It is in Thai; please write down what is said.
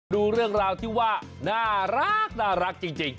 ดูเรื่องราวที่ว่าน่ารักจริง